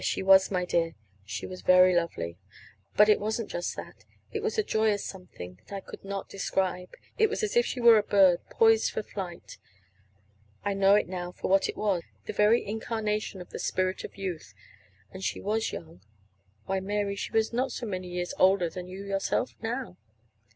"She was, my dear. She was very lovely. But it wasn't just that it was a joyous something that I could not describe. It was as if she were a bird, poised for flight. I know it now for what it was the very incarnation of the spirit of youth. And she was young. Why, Mary, she was not so many years older than you yourself, now."